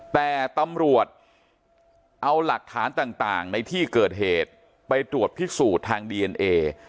แต่ตำรวจเอาหลักฐานต่างในที่เกิดเหตุไปตรวจพิสูจน์ทางดีเอ็นเอ